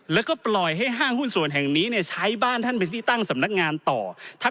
แล้วก็ปล่อยให้ห้างหุ้นส่วนแห่งนี้เนี่ยใช้บ้านท่านเป็นที่ตั้งสำนักงานต่อ